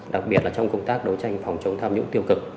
đặc biệt là trong công tác đấu tranh phòng chống tham nhũng tiêu cực